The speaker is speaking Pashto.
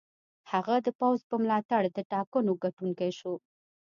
هغه د پوځ په ملاتړ د ټاکنو ګټونکی شو.